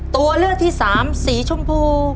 ตัวเลือกที่สามสีชมพู